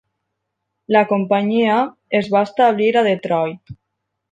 La companyia es va establir a Detroit.